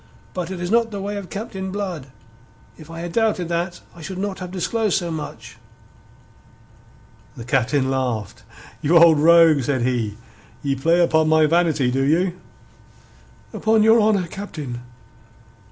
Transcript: But it is not the way of Captain Blood. If I had doubted that I should not have disclosed so much." The Captain laughed. "You old rogue," said he. "Ye play upon my vanity, do you?" "Upon your honour, Captain."